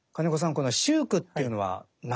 この秀句っていうのは何ですか？